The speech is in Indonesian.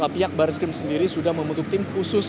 pihak baris krim sendiri sudah membentuk tim khusus